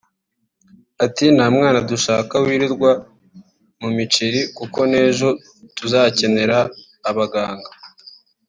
Ati “nta mwana dushaka wirirwa mu miceri koko n’ejo tuzakenera abaganga